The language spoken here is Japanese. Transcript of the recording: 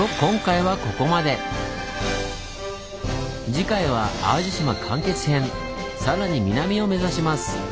次回はさらに南を目指します！